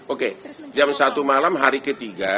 oke jam satu malam hari ke tiga